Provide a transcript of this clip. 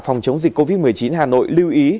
phòng chống dịch covid một mươi chín hà nội lưu ý